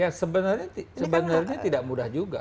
ya sebenarnya tidak mudah juga